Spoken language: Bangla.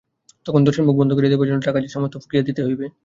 তখন দশের মুখ বন্ধ করিয়া দিবার জন্য টাকা যে সমস্ত ফুঁকিয়া দিতে হইবে।